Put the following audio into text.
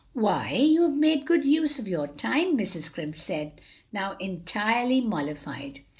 "Why you have made good use of your time," Mrs. Scrimp said, now entirely mollified.